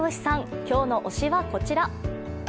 今日の推しはこちら。